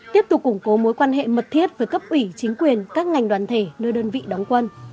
tiếp tục củng cố mối quan hệ mật thiết với cấp ủy chính quyền các ngành đoàn thể nơi đơn vị đóng quân